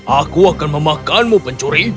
aku akan memakanmu pencuri